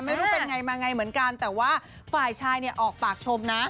ไม่รู้เป็นไงมาไงเหมือนกันแต่ว่าฝ่ายชายเนี่ยออกปากชมนะ